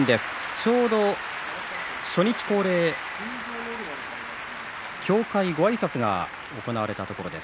ちょうど初日恒例協会ごあいさつが行われたところです。